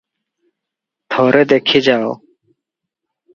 ଥରେ ଦେଖି ଯାଅ!